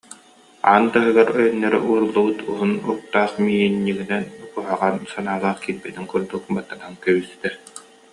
Аан таһыгар өйөннөрө ууруллубут уһун уктаах миинньигинэн, куһаҕан санаалаах киирбэтин курдук, баттатан кэбистэ